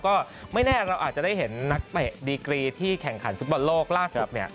ก็ไม่แน่เราอาจจะได้เห็นนักเตะดีกรีที่แข่งขันฟุตบอลโลกล่าสุดเนี่ย